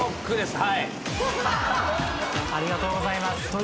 ありがとうございます。